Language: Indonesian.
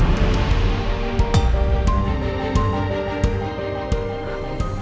dia ga mau kusyukin